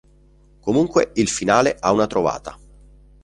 Comunque il finale ha una trovata.